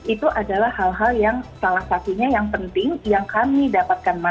itu adalah hal hal yang salah satunya yang penting yang kami dapatkan masyarakat